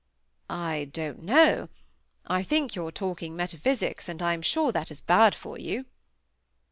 "I don't know. I think you're talking metaphysics, and I am sure that is bad for you."